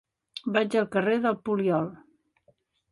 Vaig al carrer del Poliol.